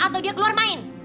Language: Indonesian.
atau dia keluar main